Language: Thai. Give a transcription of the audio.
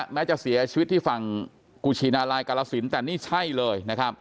แม้จะเสียชีวิตที่ฝั่งกูชินารายกะละศิลป์แต่นี่ใช่เลย